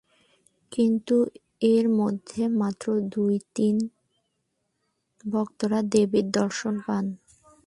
কিন্তু এর মধ্যে মাত্র দু’ দিন ভক্তরা দেবীর দর্শন পান।